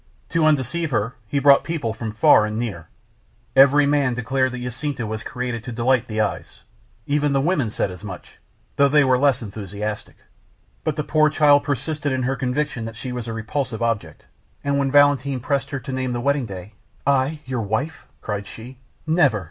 To undeceive her, he brought people from far and near; every man declared that Jacinta was created to delight the eyes; even the women said as much, though they were less enthusiastic. But the poor child persisted in her conviction that she was a repulsive object, and when Valentin pressed her to name their wedding day "I, your wife!" cried she. "Never!